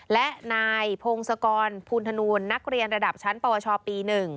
และนายพงศกรภูณธนูลนักเรียนระดับชั้นปวชปี๑